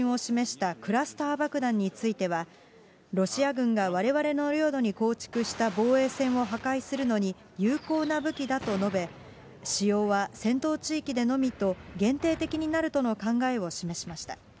一方、アメリカがウクライナに供与する方針を示したクラスター爆弾については、ロシア軍がわれわれの領土に構築した防衛線を破壊するのに有効な武器だと述べ、使用は戦闘地域でのみと、限定的になるとの考えを示しました。